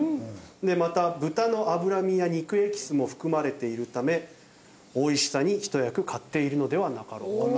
でまた豚の脂身や肉エキスも含まれているため美味しさに一役買っているのではなかろうかと。